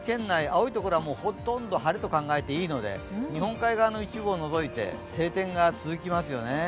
青いところはほとんど晴れと考えていいので日本海側の一部を除いて晴天が続きますよね。